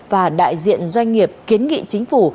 và đại diện doanh nghiệp kiến nghị chính phủ